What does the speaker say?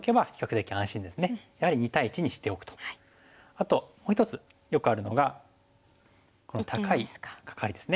あともう１つよくあるのがこの高いカカリですね。